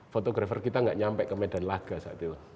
fotografer kita tidak sampai ke medan laga saat itu